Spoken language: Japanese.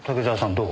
どう？